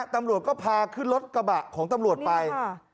ตำรวจก็พาขึ้นรถกระบะของตำรวจไป